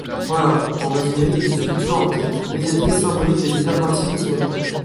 Voilà, en résumé, une sculpture inquiète, médiatrice symbolique des états intimes de son auteur.